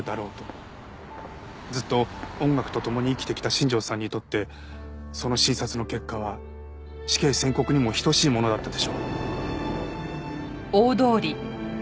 ずっと音楽と共に生きてきた新庄さんにとってその診察の結果は死刑宣告にも等しいものだったでしょう。